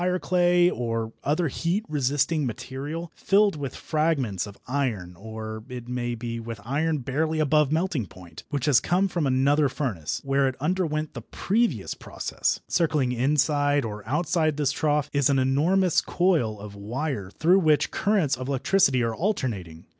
] So imagine a circular trough of fire clay or other heat resisting material filled with fragments of iron, or, it may be, with iron barely above melting point, which has come from another furnace, where it underwent the previous process. Circling inside or outside this trough is an enormous coil of wire through which currents of electricity are alternating.